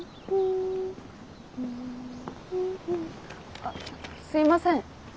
あっすいません。